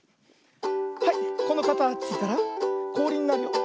はいこのかたちからこおりになるよ。